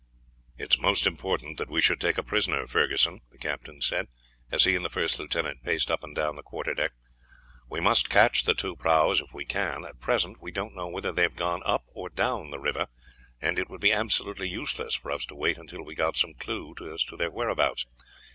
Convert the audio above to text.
"It is most important that we should take a prisoner, Ferguson," the captain said, as he and the first lieutenant paced up and down the quarterdeck; "we must catch the two prahus if we can. At present we don't know whether they have gone up or down the river, and it would be absolutely useless for us to wait until we get some clew to their whereabouts.